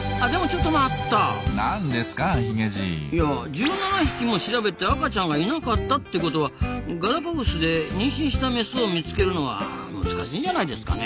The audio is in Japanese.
１７匹も調べて赤ちゃんがいなかったってことはガラパゴスで妊娠したメスを見つけるのは難しいんじゃないですかね？